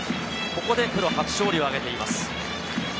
ここでプロ初勝利を挙げています。